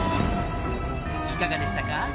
いかがでしたか？